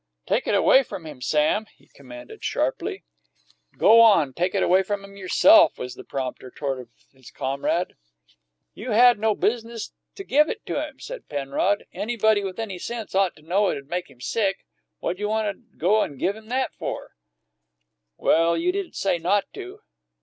"Take it away from him, Sam!" he commanded sharply. "Go on, take it away from him yourself!" was the prompt retort of his comrade. "You had no biz'nuss to give it to him," said Penrod. "Anybody with any sense ought to know it'd make him sick. What'd you want to go and give it to him for?" "Well, you didn't say not to."